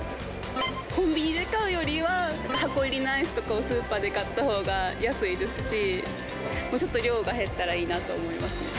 コンビニで買うよりは、箱入りのアイスとかをスーパーで買ったほうが安いですし、もうちょっと量が減ったらいいなと思いますね。